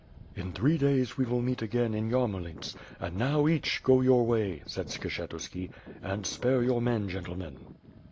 In three days, we will meet again in Yarmolints, and now, each go your way," said Skshetuski, "and spare your men, gentlemen."